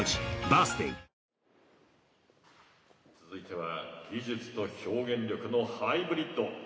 続いては技術と表現力のハイブリッド。